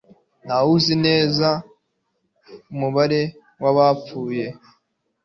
ntawe uzi neza umubare w'abantu bapfuye